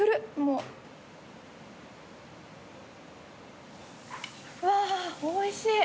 うわーおいしい。